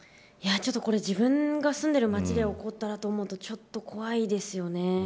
ちょっと、これ自分が住んでいる街で起こったと思うと怖いですよね。